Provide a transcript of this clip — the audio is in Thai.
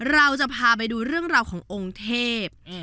เราจะพาไปดูเรื่องราวขององค์เทพ